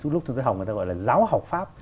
lúc chúng tôi học người ta gọi là giáo học pháp